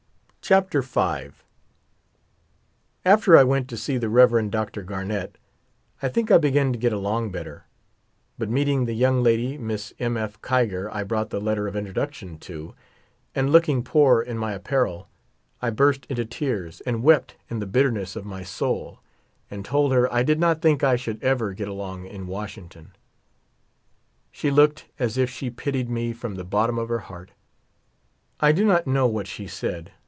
Chapter V. After I went to see the Rev. Dr. Garnet I think I be gan to get along better. But meeting the young lady (Miss M. F. Kiger) I brought the letter of introduction to, and looking poor in my apparel, T burst into tears and wept in the bitterness of my soul, and told her I did not think I should ever get along in Washington. She looked as if she pitied me from the bottom of her heart. I do not know what she said.